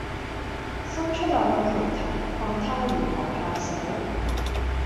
伸出兩個拳頭，看他如何下手。